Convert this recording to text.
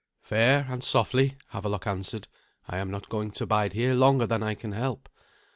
"Fair and softly," Havelok answered. "I am not going to bide here longer than I can help.